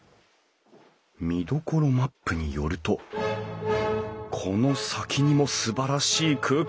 見どころマップによるとこの先にもすばらしい空間が。